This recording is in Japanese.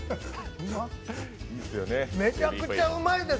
めちゃくちゃうまいです！